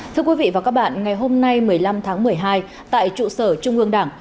thưa quý vị và các bạn ngày hôm nay một mươi năm tháng một mươi hai tại trụ sở trung ương đảng